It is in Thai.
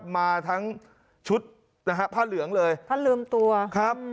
ผ้าเหลืองเลยผ้าเหลืองตัวครับ